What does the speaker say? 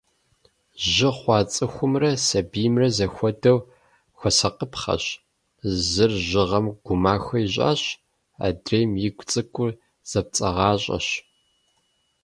Жьы хъуа цӏыхумрэ, сэбиймрэ, зэхуэдэу хуэсакъыпхъэщ. Зыр жьыгъэм гумахэ ищӏащ, адрейм игу цӏыкӏур зэпцӏагъащӏэщ.